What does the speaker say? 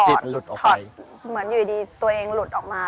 เหมือนอยู่ดีตัวเองหลุดออกมา